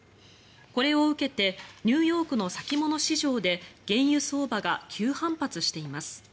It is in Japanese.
これを受けてニューヨークの先物市場で原油相場が急反発しています。